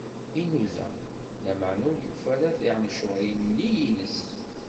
Inuda, lameɛna ur yufi ara tiɛencuṛin-nni-ines.